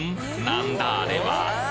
なんだあれは？